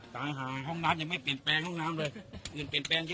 ต่างหากห้องน้ำยังไม่เปลี่ยนแปลงห้องน้ำเลยอื่นเปลี่ยนแปลงเยอะ